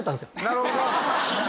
なるほど。